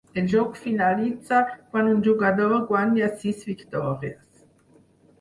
El joc finalitza quan un jugador guanya sis victòries.